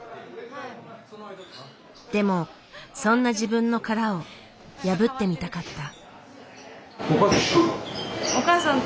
でもそんな自分の殻を破ってみたかった。